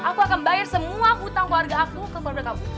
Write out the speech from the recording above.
aku akan bayar semua hutang keluarga aku ke keluarga kamu